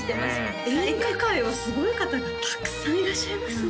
はい演歌界はすごい方がたくさんいらっしゃいますね